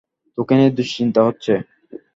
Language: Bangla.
তোকে নিয়ে দুশ্চিন্তা হচ্ছে।